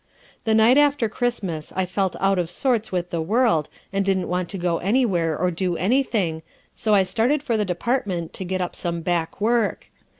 " The night after Christmas I felt out of sorts with the world and didn't want to go anywhere or do any thing, so I started for the Department to get up some back work.